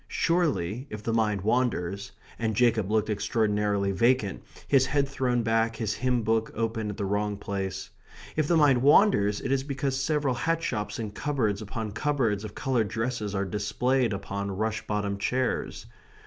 Surely, if the mind wanders (and Jacob looked extraordinarily vacant, his head thrown back, his hymn book open at the wrong place), if the mind wanders it is because several hat shops and cupboards upon cupboards of coloured dresses are displayed upon rush bottomed chairs.